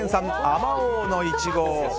まおうのイチゴ。